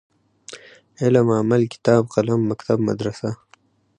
علم ،عمل ،کتاب ،قلم ،مکتب ،مدرسه